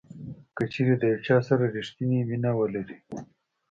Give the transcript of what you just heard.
کچیرې د یو چا سره ریښتینې مینه ولرئ.